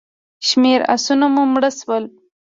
شمېر آسونه مو مړه شول.